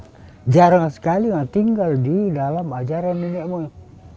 karena jarang sekali tinggal di dalam ajaran nenek moyang